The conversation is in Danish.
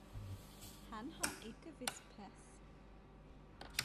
Han har ikke vist pas!